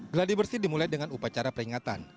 gladibersih dimulai dengan upacara peringatan